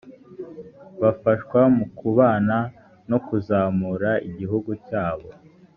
bafashwa mu kubaka no kuzamura igihugu cyabo